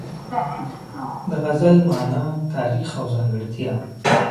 د غزل مانا، تاریخ او ځانګړتیا